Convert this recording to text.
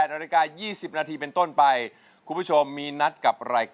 ดูครับบางทีก็ร้องไห้น้ำตาไหลนะครับสงสารลูก